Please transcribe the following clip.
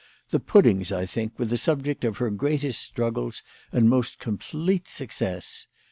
The puddings, I think, were the sub ject of her greatest struggles and most complete success.